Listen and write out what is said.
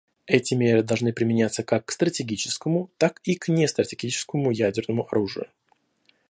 Эти меры должны применяться как к стратегическому, так и нестратегическому ядерному оружию.